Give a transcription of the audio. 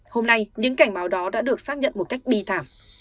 hôm nay những cảnh báo đó đã được xác nhận một cách bi thảm